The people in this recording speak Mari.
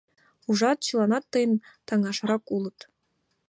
Ужат, чыланат тыйын таҥашрак улыт.